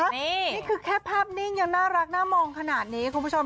นี่คือแค่ภาพนิ่งยังน่ารักน่ามองขนาดนี้คุณผู้ชม